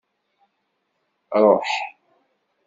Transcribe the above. Ṛuḥ.